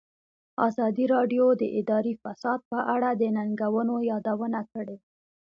ازادي راډیو د اداري فساد په اړه د ننګونو یادونه کړې.